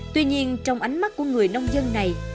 tuy nhiên trong ánh mắt của người nông dân này